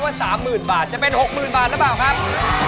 ๓๐๐๐บาทจะเป็น๖๐๐๐บาทหรือเปล่าครับ